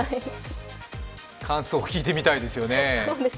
感想を聞いてみたいですよね。